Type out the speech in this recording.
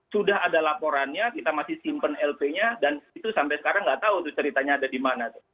sudah ada laporannya kita masih simpen lp nya dan itu sampai sekarang nggak tahu tuh ceritanya ada di mana